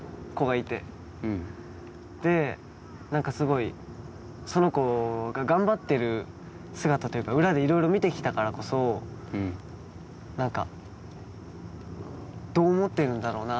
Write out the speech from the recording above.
で何かすごいその子が頑張ってる姿というか裏でいろいろ見てきたからこそ何か。